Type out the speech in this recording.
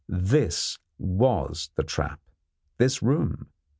This was the trap this room!